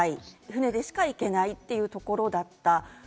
船でしか行けないというところだった。